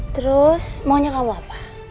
terus maunya kamu apa